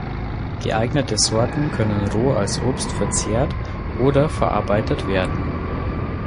Geeignete Sorten können roh als Obst verzehrt oder verarbeitet werden.